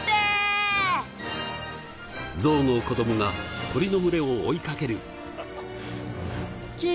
ゾウの子供が鳥の群れを追いかける。